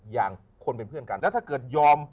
อย่างคนเป็นเพื่อนกันแล้วถ้าเกิดยอม